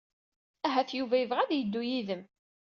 Ahat Yuba yebɣa ad yeddu yid-m.